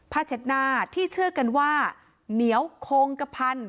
เช็ดหน้าที่เชื่อกันว่าเหนียวโคงกระพัน